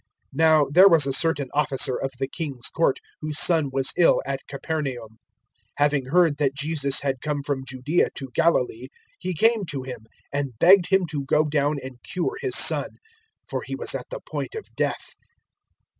Now there was a certain officer of the King's court whose son was ill at Capernaum. 004:047 Having heard that Jesus had come from Judaea to Galilee, he came to Him and begged Him to go down and cure his son; for he was at the point of death.